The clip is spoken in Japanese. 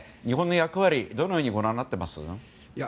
日本の役割はどのようにご覧になっていますか。